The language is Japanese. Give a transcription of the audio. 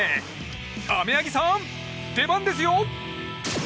雨柳さん、出番ですよ！